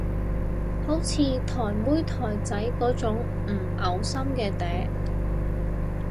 好似台妹台仔嗰種唔嘔心嘅嗲